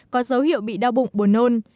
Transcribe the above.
có dấu hiệu bị đau bụng bồn nôn